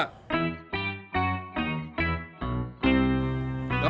kerjaannya cuma minta duit aja sama bapak